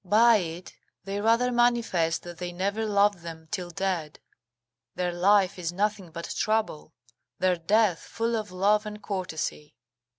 By it they rather manifest that they never loved them till dead: their life is nothing but trouble; their death full of love and courtesy.